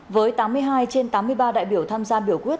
với tám mươi hai trên tám mươi ba đại biểu tham gia biểu quyết